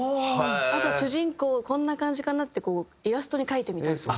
あとは主人公こんな感じかなってイラストに描いてみたりとか。